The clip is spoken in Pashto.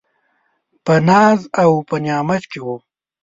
په ناز او په نعمت کي و .